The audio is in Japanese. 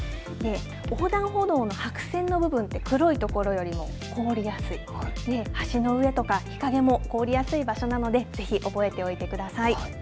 横断歩道の白線の部分って、黒い所よりも凍りやすい、橋の上とか、日陰も凍りやすい場所なので、ぜひ覚えておいてください。